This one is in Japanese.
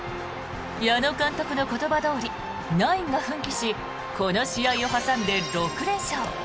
矢野監督の言葉どおりナインが奮起しこの試合を挟んで６連勝。